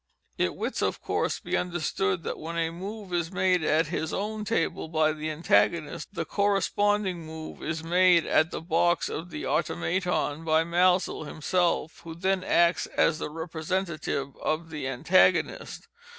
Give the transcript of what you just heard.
It Wits of course be understood that when a move is made at his own table, by the antagonist, the corresponding move is made at the box of the Automaton, by Maelzel himself, who then acts as the representative of the antagonist.